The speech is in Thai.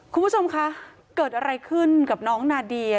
คุณผู้ชมคะเกิดอะไรขึ้นกับน้องนาเดีย